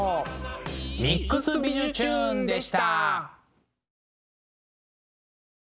「ＭＩＸびじゅチューン！」でした。